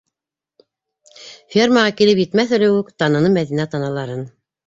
Фермаға килеп етмәҫ элек үк таныны Мәҙинә таналарын.